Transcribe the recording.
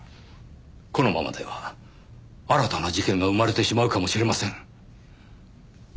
このままでは新たな事件が生まれてしまうかもしれません。